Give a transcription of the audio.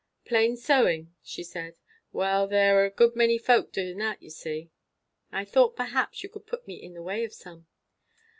"Plain sewing?" she said. "Well, there's a good many folks doing that, you see." "I thought, perhaps, you could put me in the way of some."